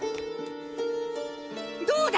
どうだ？